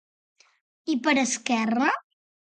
I per a Esquerra?